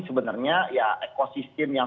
sebenarnya ya ekosistem yang